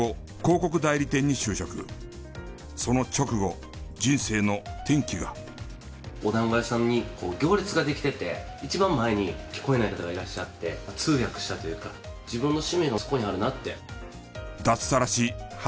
その直後お団子屋さんに行列ができてて一番前に聞こえない方がいらっしゃって通訳したというか自分の使命はそこにあるなって。